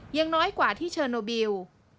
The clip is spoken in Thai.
ยังน้อยกว่าที่เชอร์โนบิล